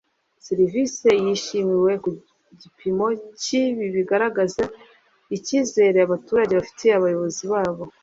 serivisi yishimiwe ku gipimo cya ibi bigaragaza icyizere abaturage bafitiye abayobozi babo